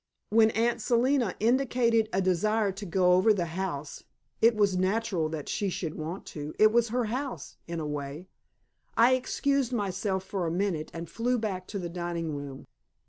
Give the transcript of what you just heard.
When Aunt Selina indicated a desire to go over the house (it was natural that she should want to; it was her house, in a way) I excused myself for a minute and flew back to the dining room.